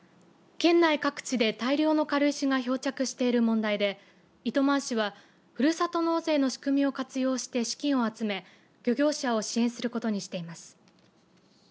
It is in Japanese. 県内各地で、大量の軽石が漂着している問題で糸満市はふるさと納税の仕組みを活用して資金を集め、漁業者を支援することにしています。